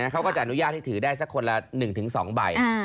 เขาก็จะอนุญาตให้ถือได้สักคนละ๑๒ใบ